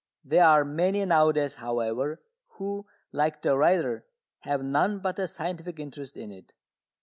There are many nowadays, however, who, like the writer, have none but a scientific interest in it.